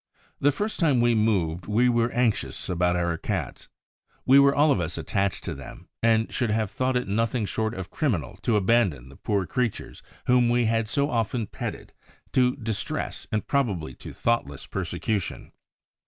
The first time we moved we were anxious about our Cats. We were all of us attached to them and should have thought it nothing short of criminal to abandon the poor creatures, whom we had so often petted, to distress and probably to thoughtless persecution.